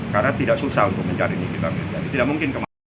karena tidak susah untuk mencari nikita mirjani